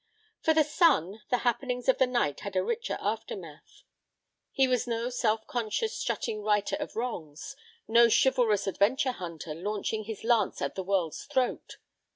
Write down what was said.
For the son, the happenings of the night had a richer aftermath. He was no self conscious, strutting righter of wrongs; no chivalrous adventure hunter launching his lance at the world's throat.